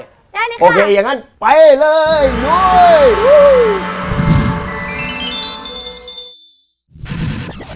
ได้นี่ค่ะโอเคอย่างนั้นไปเลยด้วย